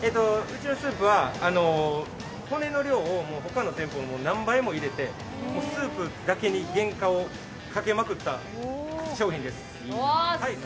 うちのスープは骨の量を他の店舗より何倍も入れて、スープだけに原価をかけまくった商品です。